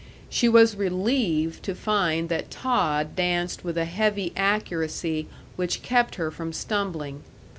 She was relieved to find that Todd danced with a heavy accuracy which kept her from stumbling....